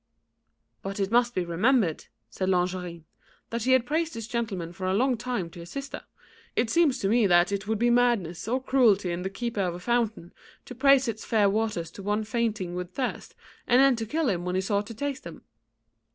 "But it must be remembered," said Longarine, "that he had praised this gentleman for a long time to his sister. It seems to me that it would be madness or cruelty in the keeper of a fountain to praise its fair waters to one fainting with thirst, and then to kill him when he sought to taste them."